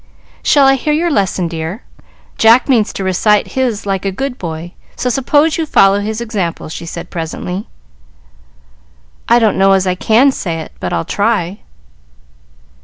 "Shall I hear your lesson, dear? Jack means to recite his like a good boy, so suppose you follow his example," she said, presently. "I don't know as I can say it, but I'll try."